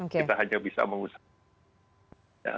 kita hanya bisa mengusahakan